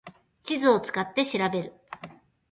地図を使って調べる